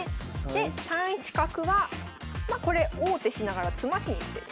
で３一角がまあこれ王手しながら詰ましにいく手です。